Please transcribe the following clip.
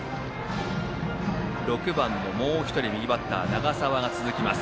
６番のもう１人右バッター長澤が続きます。